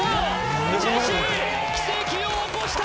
ジェシー奇跡を起こした！